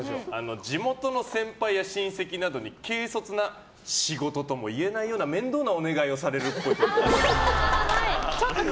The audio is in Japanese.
地元の先輩や親戚などに軽率な仕事とも言えないような面倒なお願いをされるっぽい。